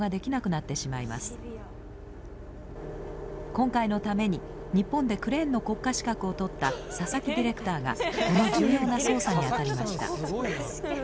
今回のために、日本でクレーンの国家資格を取った佐々木ディレクターがこの重要な操作にあたりました。